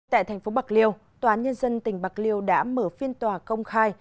tại thành phố bạc liêu tòa án nhân dân tỉnh bạc liêu đã mở phiên tòa công khai